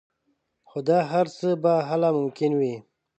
خو دا هر څه به هله ممکن وي